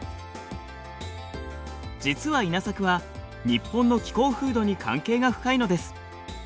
実は稲作は日本の気候風土に関係が深いのです。